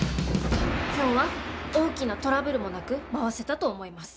今日は大きなトラブルもなく回せたと思います。